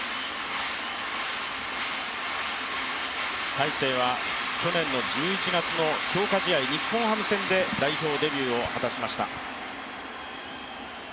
大勢は去年の１１月の強化試合、日本ハム戦で代表デビューを果たしました。